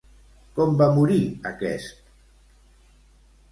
Com va morir aquest?